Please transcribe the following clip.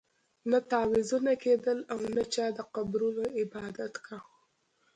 نه تعویذونه کېدل او نه چا د قبرونو عبادت کاوه.